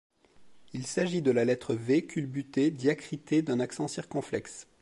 Il s’agit de la lettre V culbuté diacritée d’un accent circonflexe.